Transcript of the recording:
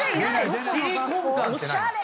おしゃれ！